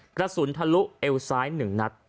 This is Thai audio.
กระสุนทะลุเอวซ้าย๑นัด